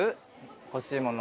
欲しいもの。